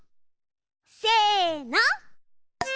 せの！